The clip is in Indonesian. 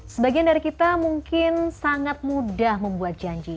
sebagian dari kita mungkin sangat mudah membuat janji